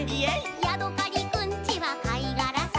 「ヤドカリくんちはかいがらさ」